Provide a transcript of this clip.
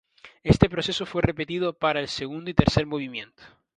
Este proceso fue repetido para el segundo y tercer movimiento.